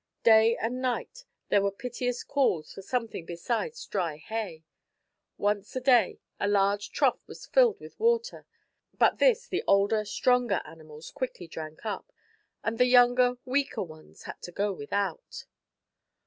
Day and night there were piteous calls for something besides dry hay. Once a day a large trough was filled with water, but this the older, stronger animals quickly drank up, and the younger, weaker ones had to go without.